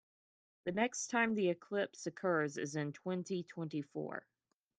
The next time the eclipse occurs is in twenty-twenty-four.